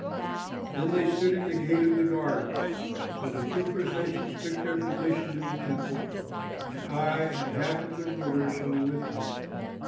Then they stood in the Gate of the Guard. So the two processions took their position in the temple and I and half of the rulers who were with me.